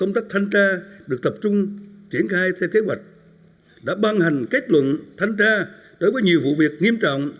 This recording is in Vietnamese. công tác thanh tra được tập trung triển khai theo kế hoạch đã ban hành kết luận thanh tra đối với nhiều vụ việc nghiêm trọng